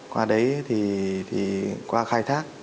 qua đấy thì qua khai thác